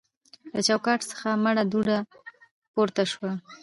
له چوکاټ څخه مړه دوړه پورته شوه.